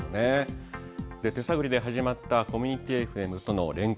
手探りで始まったコミュニティＦＭとの連携。